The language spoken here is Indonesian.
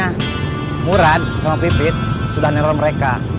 sebenarnya murad sama pipit sudah nerol mereka